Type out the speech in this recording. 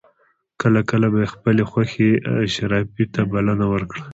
کله کله به یې خپلې خوښې اشرافي ته بلنه ورکړه.